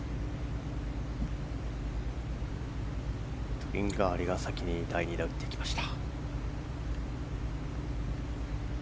トリンガーリが先に打っていきました。